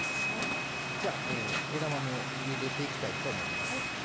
じゃあ枝豆をゆでていきたいと思います。